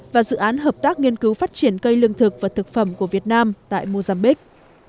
và dự án hợp tác nghiên cứu phát triển cây lương thực và thực phẩm của việt nam tại mozambique